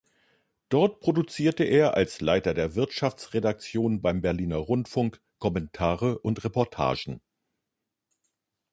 Dort produzierte er als Leiter der Wirtschaftsredaktion beim Berliner Rundfunk Kommentare und Reportagen.